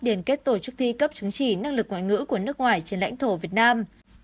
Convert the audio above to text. điển kết tổ chức thi cấp chứng chỉ năng lực ngoại ngữ của nước ngoài trên lãnh thổ việt nam